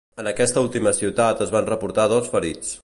En aquesta última ciutat es van reportar dos ferits.